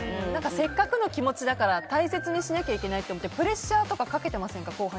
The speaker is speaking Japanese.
せっかくの気持ちだから大切にしなきゃいけないと思ってプレッシャーとかかけていませんか？